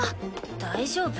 大丈夫？